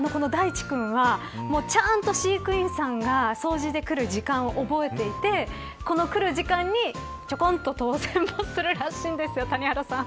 ただ、このだいちくんはちゃんと飼育員さんが掃除で来る時間を覚えていてこの来る時間にちょこんと通せんぼするらしいんですよ、谷原さん。